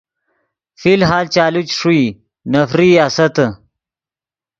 فی الحال چالو چے ݰوئی نفرئی آستّے۔